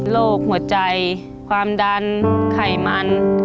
โรคหัวใจความดันไขมัน